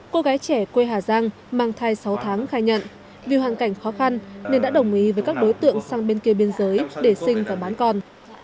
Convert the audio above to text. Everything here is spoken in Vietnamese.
cô gái trẻ quê hà giang mang thai sáu tháng khai nhận vì hoàn cảnh khó khăn nên đã đồng ý với các đối tượng sang bên kia biên giới để sinh và bán con